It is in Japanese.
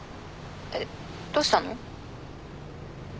えっどうしたの？